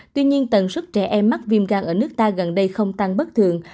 tuy nhiên tần suất trẻ em mắc viêm gan ở nước ta gần đây không tăng bất thường